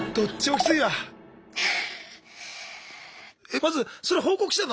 まずそれ報告したの？